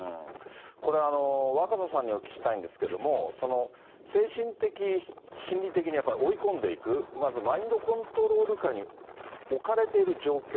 これ、若狭さんにお聞きしたいんですけれども、精神的、心理的にやっぱり追い込んでいく、まずマインドコントロール下に置かれている状況。